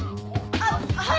あっはい！